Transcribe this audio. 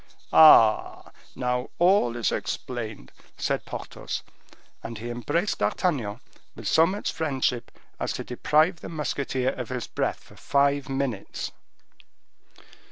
"Ah! now all is explained," said Porthos; and he embraced D'Artagnan with so much friendship as to deprive the musketeer of his breath for five minutes.